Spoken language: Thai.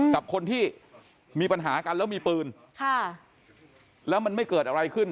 กับคนที่มีปัญหากันแล้วมีปืนค่ะแล้วมันไม่เกิดอะไรขึ้น